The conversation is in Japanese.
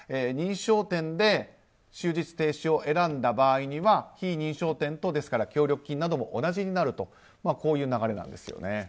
認証店で終日停止を選んだ場合非認証店と協力金なども同じになるという流れなんですね。